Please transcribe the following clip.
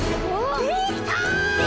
できた！